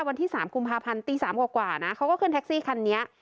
วันที่๓กุมภาพันธ์ตี๓กว่านะเขาก็ขึ้นแท็กซี่คันนี้